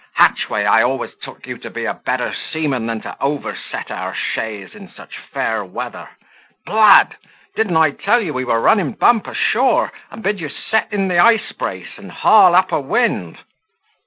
Hatchway, I always took you to be a better seaman than to overset our chaise in such fair weather. Blood! didn't I tell you we were running bump ashore, and bid you set in the ice brace, and haul up a wind?"